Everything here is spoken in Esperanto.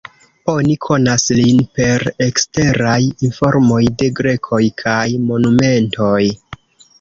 Oni konas lin per eksteraj informoj de grekoj kaj monumentoj.